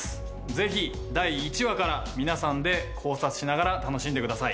ぜひ第１話から皆さんで考察しながら楽しんでください。